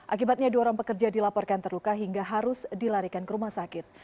akibatnya dua orang pekerja dilaporkan terluka hingga harus dilarikan ke rumah sakit